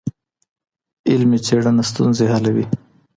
علمي څېړنه ستونزي حلوي.